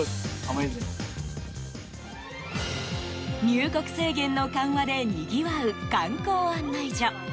入国制限の緩和でにぎわう観光案内所。